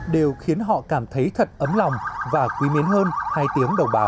đều khiến họ cảm thấy thật ấm lòng và quý mến hơn hai tiếng đồng bào